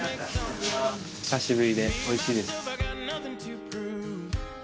久しぶりでおいしいです。